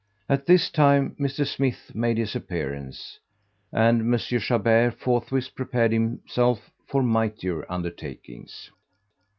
At this time Mr. Smith made his appearance, and M. Chabert forthwith prepared himself for mightier undertakings.